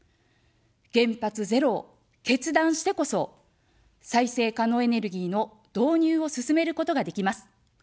原発ゼロを決断してこそ、再生可能エネルギーの導入を進めることができます。